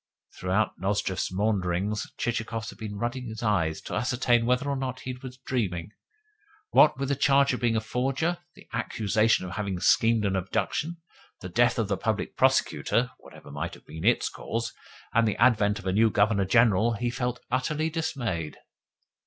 Throughout Nozdrev's maunderings Chichikov had been rubbing his eyes to ascertain whether or not he was dreaming. What with the charge of being a forger, the accusation of having schemed an abduction, the death of the Public Prosecutor (whatever might have been its cause), and the advent of a new Governor General, he felt utterly dismayed.